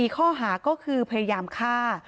ข้อหาก็คือพยายามฆ่า